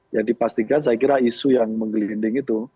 ya dipastikan saya kira isu yang menggelinding itu